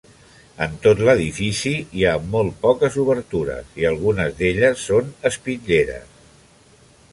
En tot l'edifici hi ha molt poques obertures i algunes d'elles són espitlleres.